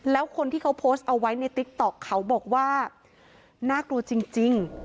แล้วคนที่เขาโพสต์เอาไว้ในติ๊กต๊อกเขาบอกว่าน่ากลัวจริง